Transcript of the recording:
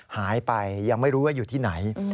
หายไปยังไม่รู้ว่าอยู่ที่ไหน